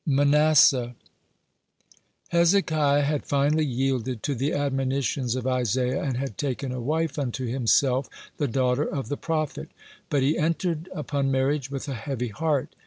(92) MANASSEH Hezekiah had finally yielded to the admonitions of Isaiah, and had taken a wife unto himself, (93) the daughter of the prophet. But he entered upon marriage with a heavy heart.